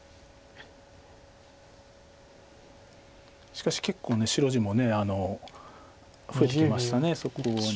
しかし結構白地も増えてきましたそこに。